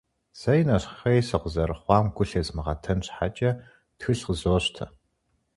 Сэри, нэщхъей сыкъызэрыхъуам гу лъезмыгъэтэн щхьэкӀэ, тхылъ къызощтэ.